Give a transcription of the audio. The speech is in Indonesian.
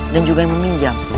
dan juga peminjam